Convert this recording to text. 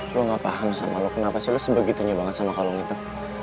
gue gak paham sama lo kenapa sih lo sebegitunya banget sama kalung itu